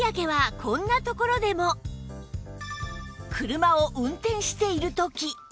車を運転している時